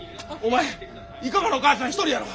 前生駒のお母さん一人やろ。